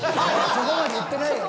そこまで言ってないよ。